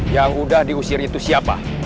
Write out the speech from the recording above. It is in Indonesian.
yang udah diusir itu siapa